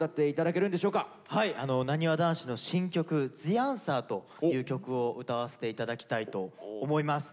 なにわ男子の新曲「ＴｈｅＡｎｓｗｅｒ」という曲を歌わせて頂きたいと思います。